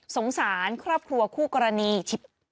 สงสารครอบครัวคู่กรณี